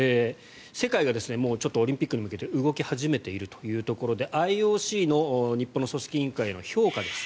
世界がもうオリンピックに向けて動き始めているということでＩＯＣ、日本の組織委員会の評価です。